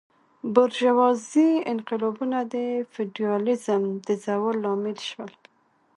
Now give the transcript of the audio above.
بورژوازي انقلابونه د فیوډالیزم د زوال لامل شول.